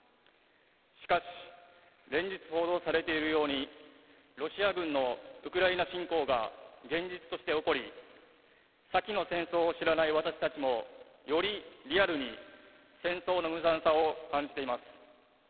しかし連日報道されているようにロシア軍のウクライナ侵攻が現実として起こり先の戦争を知らない私たちもよりリアルに戦争の無残さを感じています。